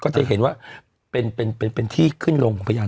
ก็จะเห็นว่าเป็นที่ขึ้นลงที่ขึ้นนรก